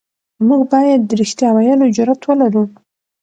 موږ بايد د رښتيا ويلو جرئت ولرو.